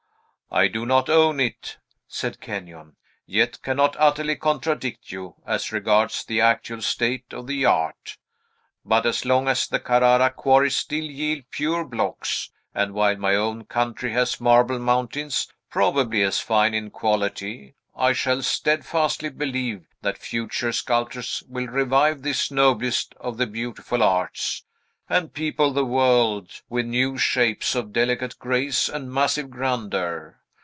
"I do not own it," said Kenyon, "yet cannot utterly contradict you, as regards the actual state of the art. But as long as the Carrara quarries still yield pure blocks, and while my own country has marble mountains, probably as fine in quality, I shall steadfastly believe that future sculptors will revive this noblest of the beautiful arts, and people the world with new shapes of delicate grace and massive grandeur.